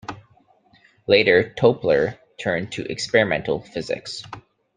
Later Toepler turned to experimental physics.